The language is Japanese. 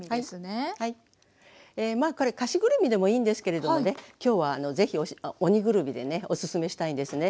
え菓子ぐるみでもいいんですけれどもね。今日はぜひ鬼ぐるみでねおすすめしたいんですね。